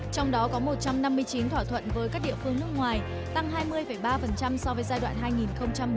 trong đó có một trăm năm mươi chín thỏa thuận với các địa phương nước ngoài tăng hai mươi ba so với giai đoạn hai nghìn một mươi năm hai nghìn một mươi năm